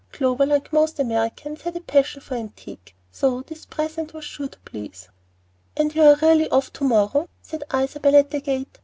Clover, like most Americans, had a passion for the antique; so this present was sure to please. "And you are really off to morrow," said Isabel at the gate.